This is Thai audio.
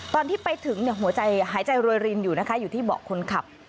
ตอนที่ไปถึงหัวใจหายใจรวยรินอยู่นะคะอยู่ที่เบาะคนขับ